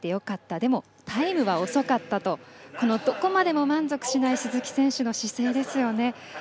でも、タイムは遅かったとどこまでも満足しない鈴木選手の姿勢ですよね。